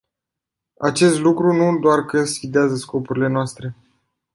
Acest lucru nu doar că sfidează scopurile noastre.